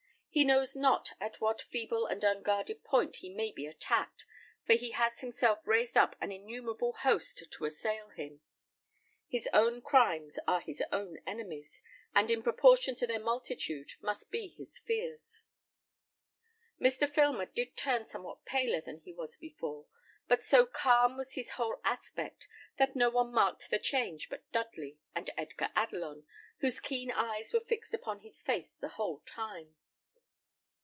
He knows not at what feeble and unguarded point he may be attacked, for he has himself raised up an innumerable host to assail him; his own crimes are his own enemies, and in proportion to their multitude must be his fears. Mr. Filmer did turn somewhat paler than he was before; but so calm was his whole aspect, that no one marked the change but Dudley and Edgar Adelon, whose keen eyes were fixed upon his face the whole time.